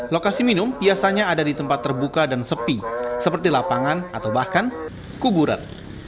lokasi minum biasanya ada di tempat terbuka dan sepi seperti lapangan atau bahkan kuburan